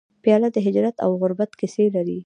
پیاله د هجرت او غربت کیسې لري.